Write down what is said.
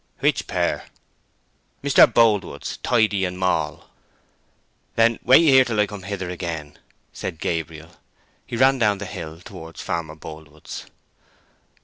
"Which pair?" "Mr. Boldwood's Tidy and Moll." "Then wait here till I come hither again," said Gabriel. He ran down the hill towards Farmer Boldwood's.